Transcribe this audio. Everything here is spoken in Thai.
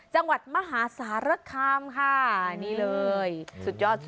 จังหวัดมหาสารคามค่ะนี่เลยสุดยอดสุด